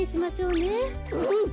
うん！